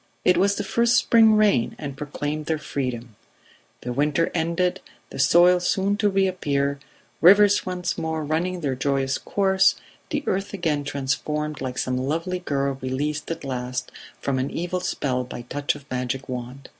It was the first spring rain and proclaimed their freedom: the winter ended, the soil soon to reappear, rivers once more running their joyous course, the earth again transformed like some lovely girl released at last from an evil spell by touch of magic wand.